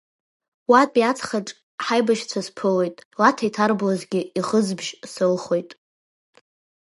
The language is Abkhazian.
Уатәи аҵхаҿ ҳаибашьцәа сԥылоит, Лаҭа иҭарблызгьы иӷызбжь сылхоит.